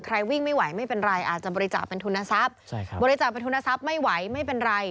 วิ่งไม่ไหวไม่เป็นไรอาจจะบริจาคเป็นทุนทรัพย์บริจาคเป็นทุนทรัพย์ไม่ไหวไม่เป็นไร